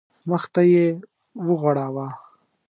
مخ ته یې وغوړاوه.